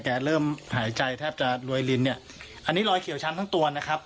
เริ่มหายใจแทบจะรวยลินเนี่ยอันนี้รอยเขียวช้ำทั้งตัวนะครับ